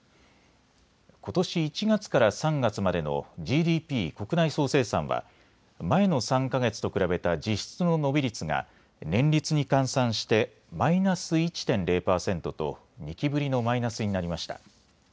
ことし１月から３月までのＧＤＰ・国内総生産は前の３か月と比べた実質の伸び率が年率に換算してマイナス１．０％と２期ぶりのマイナスになりました。